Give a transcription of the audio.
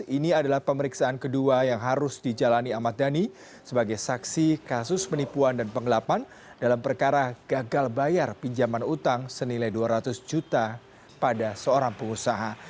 ini adalah pemeriksaan kedua yang harus dijalani ahmad dhani sebagai saksi kasus penipuan dan pengelapan dalam perkara gagal bayar pinjaman utang senilai dua ratus juta pada seorang pengusaha